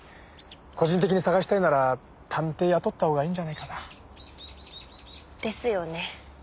個人的に探したいなら探偵雇った方がいいんじゃないかな？ですよね。